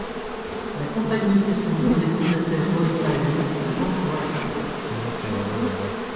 La compagnie tire son nom des fondateurs Roy Allen et Frank Wright.